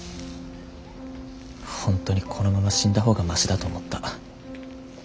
本当にこのまま死んだ方がマシだと思った。